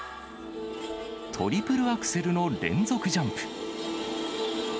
トリプルアクセルの連続ジャンプ。